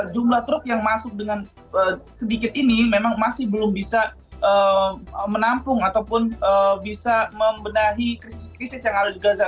jumlah truk yang masuk dengan sedikit ini memang masih belum bisa menampung ataupun bisa membenahi krisis krisis yang ada di gaza